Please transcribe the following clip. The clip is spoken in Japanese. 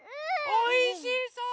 おいしそう！